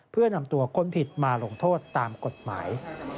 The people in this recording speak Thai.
เพื่อนำตัวคนผิดมาลงโทษตามกฎหมาย